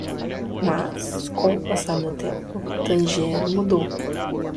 Mas? com o passar do tempo? Tangier mudou.